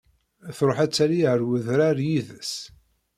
Tṛuḥ ad tali ar wedrar yid-s.